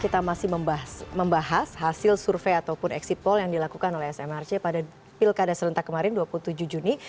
kita masih membahas hasil survei ataupun exit poll yang dilakukan oleh smrc pada pilkada serentak kemarin dua puluh tujuh juni